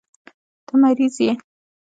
ته مريض يې.